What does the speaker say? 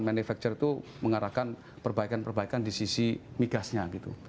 manufacture itu mengarahkan perbaikan perbaikan di sisi migasnya gitu